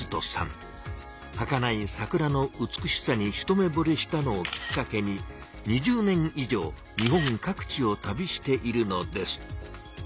はかない桜の美しさに一目ぼれしたのをきっかけに２０年以上日本各地を旅しているのです。